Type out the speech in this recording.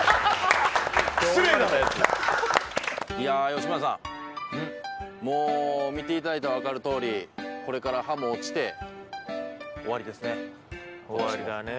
吉村さん見ていただいて分かるとおりこれから葉も落ちて終わりですね、今年も。